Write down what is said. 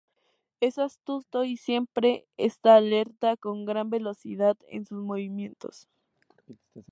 Es astuto y siempre está alerta, con gran velocidad en sus movimientos.